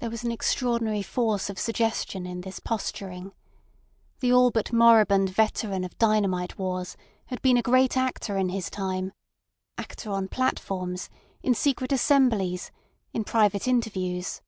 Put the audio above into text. There was an extraordinary force of suggestion in this posturing. The all but moribund veteran of dynamite wars had been a great actor in his time—actor on platforms, in secret assemblies, in private interviews.